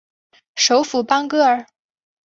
首府邦戈尔。